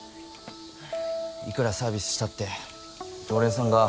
いくらサービスしたって常連さんが